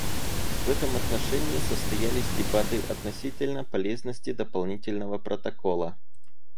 В этом отношении состоялись дебаты относительно полезности дополнительного протокола.